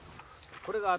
これが頭。